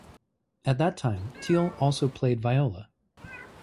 At that time Thiel also played viola.